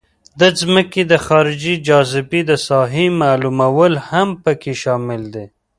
د ځمکې د خارجي جاذبې د ساحې معلومول هم پکې شامل دي